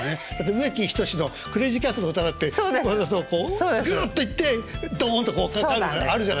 植木等のクレージーキャッツの歌だってわざとこうグッといってドンとこうなるのあるじゃないですか。